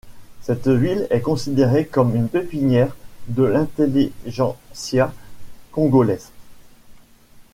Cette ville est considérée comme une pépinière de l'intelligentsia congolaise.